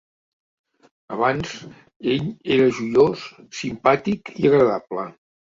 Abans, ell era joiós, simpàtic i agradable.